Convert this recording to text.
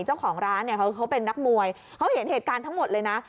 เจ้าของร้านเนี่ยเขาเป็นนักมวยเขาเห็นเหตุการณ์ทั้งหมดเลยนะ